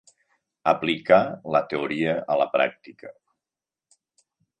Aplicar la teoria a la pràctica.